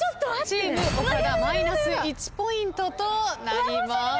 チーム岡田マイナス１ポイントとなります。